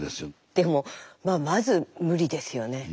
でもまあまず無理ですよね。